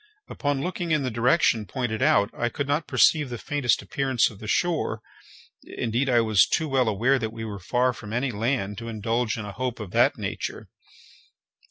Upon looking in the direction pointed out, I could not perceive the faintest appearance of the shore—indeed, I was too well aware that we were far from any land to indulge in a hope of that nature.